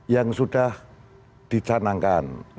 yang sudah dicanangkan